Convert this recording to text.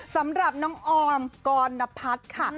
สำหรับน้องออมกรณพัฒน์ค่ะ